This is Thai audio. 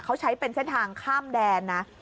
เขาใช้เป็นเส้นทางข้ามแดนนะ